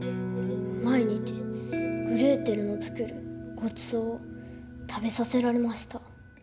毎日グレーテルの作るごちそうを食べさせられました。